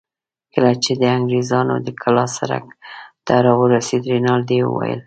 کله چې د انګرېزانو د کلا سړک ته راورسېدو، رینالډي وویل.